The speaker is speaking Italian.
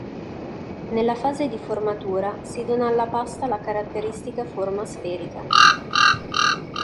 Nella fase di formatura, si dona alla pasta la caratteristica forma sferica.